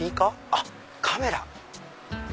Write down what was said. あっカメラ！